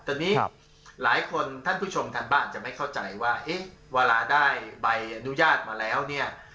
ตอนนี้หลายคนท่านผู้ชมทางบ้านจะไม่เข้าใจว่าเอ๊ะเวลาได้ใบอนุญาตมาแล้วเนี่ย